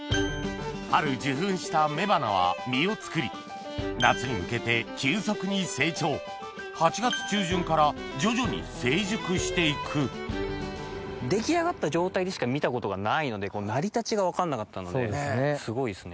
春受粉した雌花は実を作り夏に向けて急速に成長８月中旬から徐々に成熟して行く出来上がった状態でしか見たことがないので成り立ちが分かんなかったのですごいですね。